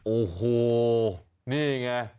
โอ้โหนี่ไง